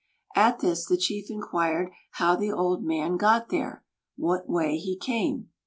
At this, the chief inquired how the old man got there, what way he came.